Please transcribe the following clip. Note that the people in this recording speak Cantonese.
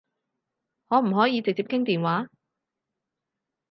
可唔可以直接傾電話？